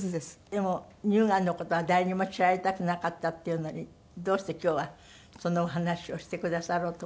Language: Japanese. でも乳がんの事は誰にも知られたくなかったっていうのにどうして今日はそのお話をしてくださろうと思ったの？